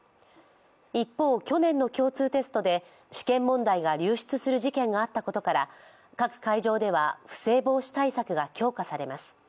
一方、去年の共通テストで試験問題が流出する事件があったことから各会場では不正防止対策が強化されます。